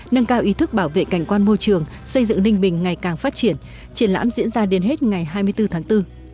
nâng cao ý thức bảo vệ cảnh quan môi trường xây dựng ninh bình ngày càng phát triển triển lãm diễn ra đến hết ngày hai mươi bốn tháng bốn